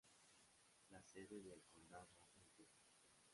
La sede del condado es Dupree.